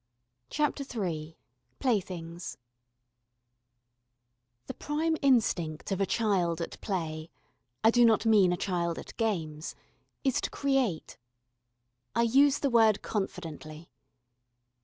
CHAPTER III Playthings THE prime instinct of a child at play I do not mean a child at games is to create. I use the word confidently.